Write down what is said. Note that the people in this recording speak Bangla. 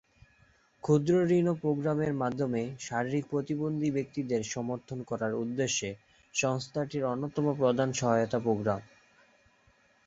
ক্ষুদ্রঋণ প্রোগ্রামের মাধ্যমে শারীরিক প্রতিবন্ধী ব্যক্তিদের সমর্থন করার উদ্দেশ্যে সংস্থাটির অন্যতম প্রধান সহায়তা প্রোগ্রাম।